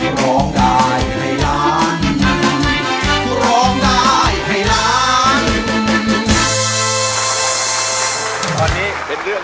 เพลงนี้อยู่ในอาราบัมชุดแรกของคุณแจ็คเลยนะครับ